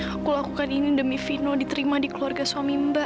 aku lakukan ini demi fino diterima di keluarga suami mbak